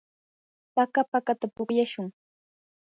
paka pakata pukllashun.